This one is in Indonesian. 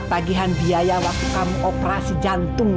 tagihan biaya waktu kamu operasi jantung